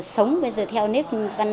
sống bây giờ theo nếp